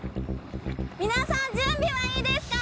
皆さん準備はいいですか？